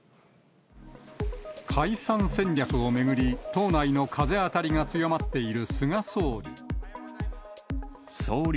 解散戦略を巡り、党内の風当たりが強まっている菅総理。